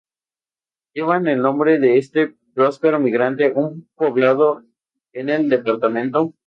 Llevan el nombre de este próspero migrante un poblado en el dpto.